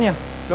do kangen dia ya